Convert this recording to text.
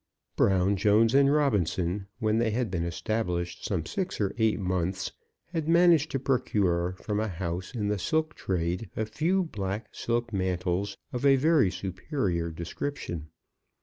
Brown, Jones, and Robinson, when they had been established some six or eight months, had managed to procure from a house in the silk trade a few black silk mantles of a very superior description.